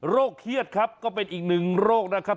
เครียดครับก็เป็นอีกหนึ่งโรคนะครับ